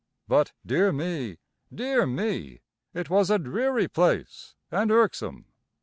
But, dear me! Dear me! It was a dreary place and irksome.